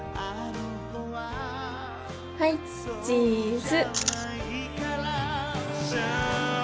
はいチーズ。